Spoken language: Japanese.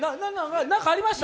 何かありました？